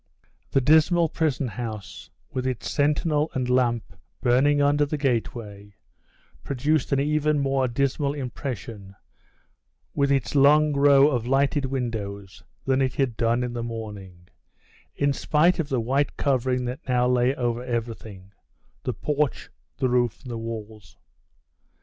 The dismal prison house, with its sentinel and lamp burning under the gateway, produced an even more dismal impression, with its long row of lighted windows, than it had done in the morning, in spite of the white covering that now lay over everything the porch, the roof and the walls.